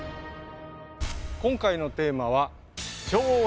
今回のテーマはお！